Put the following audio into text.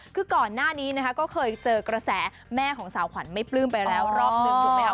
คือก่อนหน้านี้นะคะก็เคยเจอกระแสแม่ของสาวขวัญไม่ปลื้มไปแล้วรอบนึงถูกไหมคะ